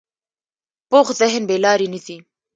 پوخ ذهن بې لارې نه ځي